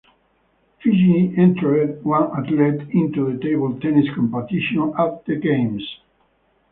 Fiji entered one athlete into the table tennis competition at the Games.